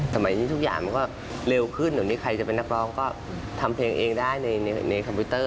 สมัยนี้ทุกอย่างมันก็เร็วขึ้นเดี๋ยวนี้ใครจะเป็นนักร้องก็ทำเพลงเองได้ในคอมพิวเตอร์